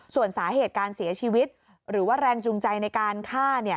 ส่วนสาเหตุการเสียชีวิตหรือว่าแรงจูงใจในการฆ่า